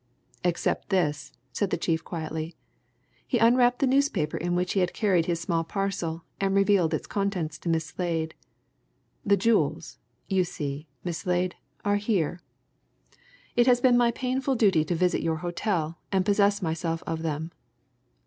"Except this," said the chief quietly. He unwrapped the newspaper in which he had carried his small parcel and revealed its contents to Miss Slade. "The jewels, you see, Miss Slade, are here. It has been my painful duty to visit your hotel, and to possess myself of them.